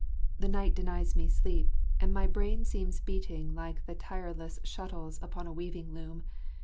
The night denies me sleep, and my brain seems beating like the tireless shuttles upon a weaving loom.